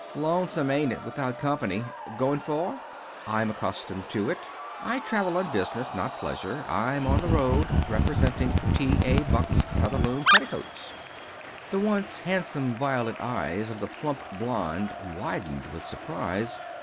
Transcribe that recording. "Lonesome, ain't it, without company? Goin' far?" "I'm accustomed to it. I travel on business, not pleasure. I'm on the road, representing T. A. Buck's Featherloom Petticoats!" The once handsome violet eyes of the plump blonde widened with surprise.